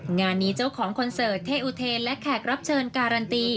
งานนี้เจ้าของคอนเสิร์ตเท่อุเทนและแขกรับเชิญการันตี